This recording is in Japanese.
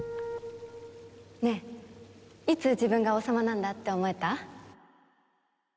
ねえいつ自分が王様なんだって思えた？